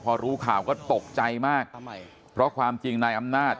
พอรู้ข่าวก็ตกใจมากเพราะความจริงนายอำนาจ